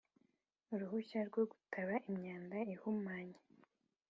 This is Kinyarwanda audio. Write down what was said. Uruhushya rwo gutaba imyanda ihumanya